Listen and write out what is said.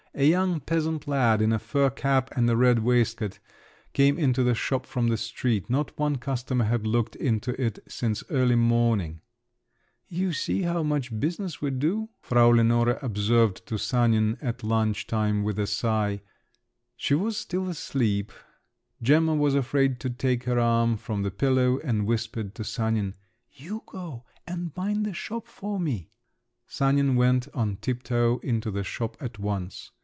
A young peasant lad in a fur cap and a red waistcoat came into the shop from the street. Not one customer had looked into it since early morning … "You see how much business we do!" Frau Lenore observed to Sanin at lunch time with a sigh. She was still asleep; Gemma was afraid to take her arm from the pillow, and whispered to Sanin: "You go, and mind the shop for me!" Sanin went on tiptoe into the shop at once.